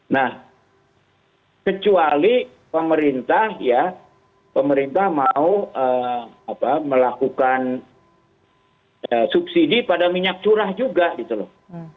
nah kecuali pemerintah ya pemerintah mau melakukan subsidi pada minyak curah juga gitu loh